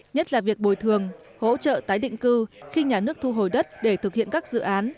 nhất là việc bồi thường hỗ trợ tái định cư khi nhà nước thu hồi đất để thực hiện các dự án